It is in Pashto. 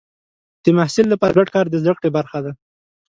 د محصل لپاره ګډ کار د زده کړې برخه ده.